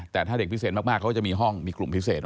แต่ถ้าเด็กพิเศษมากเขาก็จะมีห้องมีกลุ่มพิเศษ